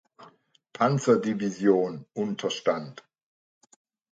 Panzerdivision unterstand.